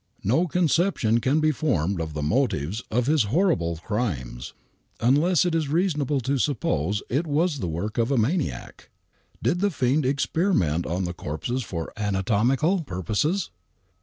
"No conception can be formed of the motives of his horrible crimes, unless it is reasonable to suppose it was the work of a maniac. Did the fiend experiment on the corpses for anatomical purposes